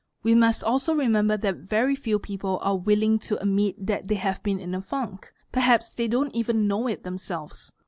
We must also remember that very few people are willing to | admit that they have been in a funk—perhaps they don't even know it :_ themselves.